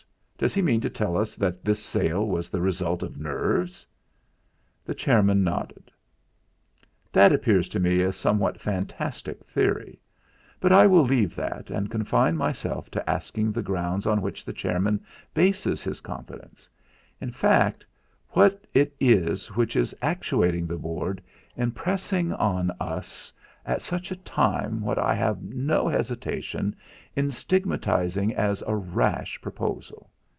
Does he mean to tell us that this sale was the result of nerves?" The chairman nodded. "That appears to me a somewhat fantastic theory; but I will leave that and confine myself to asking the grounds on which the chairman bases his confidence; in fact, what it is which is actuating the Board in pressing on us at such a time what I have no hesitation in stigmatising as a rash proposal.